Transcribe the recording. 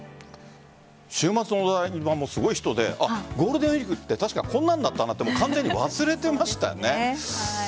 週末のお台場もすごい人でゴールデンウイークって確かこんなんだったなって完全に忘れてましたね。